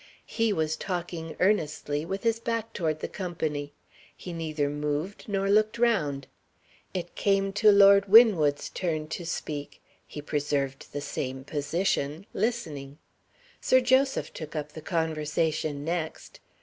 He was talking earnestly with his back toward the company. He neither moved nor looked round. It came to Lord Winwood's turn to speak. He preserved the same position, listening. Sir Joseph took up the conversation next.